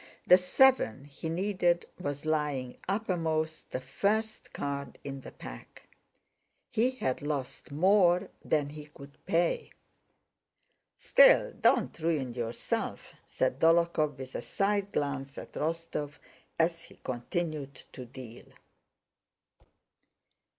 The seven he needed was lying uppermost, the first card in the pack. He had lost more than he could pay. "Still, don't ruin yourself!" said Dólokhov with a side glance at Rostóv as he continued to deal.